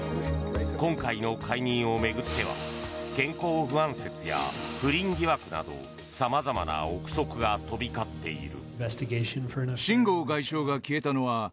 今回の解任を巡っては健康不安説や不倫疑惑などさまざまな憶測が飛び交っている。